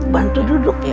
bantu duduk ya